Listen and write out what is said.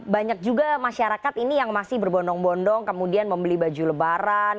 banyak juga masyarakat ini yang masih berbondong bondong kemudian membeli baju lebaran